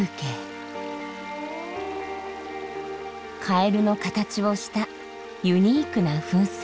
カエルの形をしたユニークな噴水。